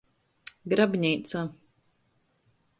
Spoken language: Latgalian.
Grabneica.